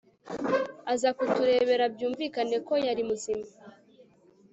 aza kutureba byumvikane ko yari muzima